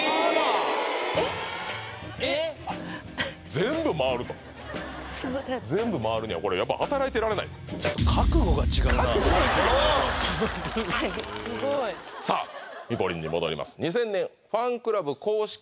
全部回ると全部回るにはこれやっぱ働いていられないとすごいさあミポリンに戻ります「２０００年ファンクラブ公式の」